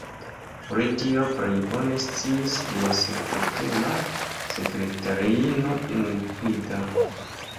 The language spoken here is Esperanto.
Pri tio plej bone sciis lia sekretema sekretariino Ingrida.